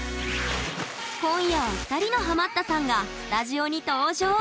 今夜は２人のハマったさんがスタジオに登場。